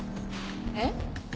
えっ？